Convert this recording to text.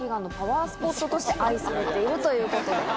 として愛されているということで。